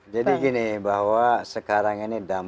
jadi gini bahwa sekarang ini dambaan seluruh rakyat